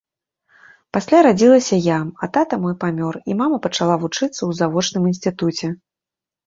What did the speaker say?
Пасля радзілася я, а тата мой памёр, і мама пачала вучыцца ў завочным інстытуце.